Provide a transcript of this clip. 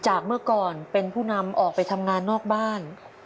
เมื่อก่อนเป็นผู้นำออกไปทำงานนอกบ้าน